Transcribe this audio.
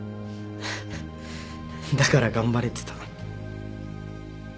だから頑張れてた。